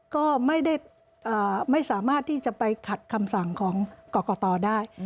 ก็ไม่สามารถที่จะไปขัดคำสั่งของกรกตได้